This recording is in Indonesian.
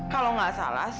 kalau gak salah